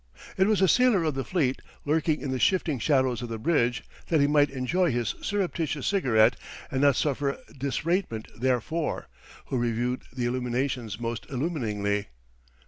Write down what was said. It was a sailor of the fleet, lurking in the shifting shadows of the bridge, that he might enjoy his surreptitious cigarette and not suffer disratement therefor, who reviewed the illuminations most illuminingly.